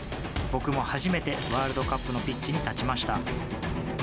僕も初めてワールドカップのピッチに立ちました。